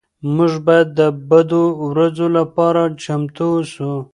موږ باید د بدو ورځو لپاره چمتو اوسو.